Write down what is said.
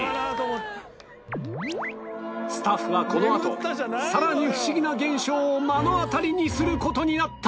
スタッフはこのあと更にフシギな現象を目の当たりにする事になった！